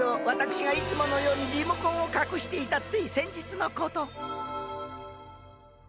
私がいつものようにリモコンを隠していたつい先日のこと。